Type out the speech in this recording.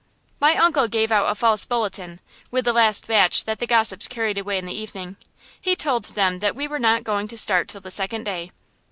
My uncle gave out a false bulletin, with the last batch that the gossips carried away in the evening. He told them that we were not going to start till the second day.